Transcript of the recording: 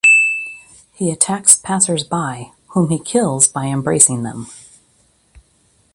He attacks passers by, whom he kills by embracing them.